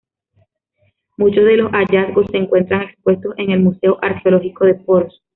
Muchos de los hallazgos se encuentran expuestos en el Museo Arqueológico de Poros.